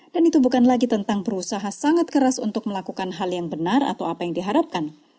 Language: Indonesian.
dan itu bukan lagi tentang berusaha sangat keras untuk melakukan hal yang benar atau apa yang diharapkan